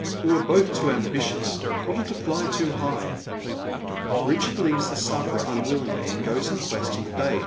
"VTe were both too ambitions — wanted to fly too high." Richard leaves the sufferer unwillingly, and goes in quest of the bay.